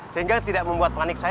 sehingga tidak membuat panik saya